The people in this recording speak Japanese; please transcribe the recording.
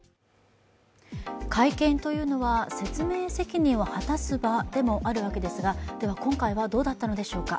会見というのは説明責任を果たす場でもあるわけですが、今回はどうだったのでしょうか。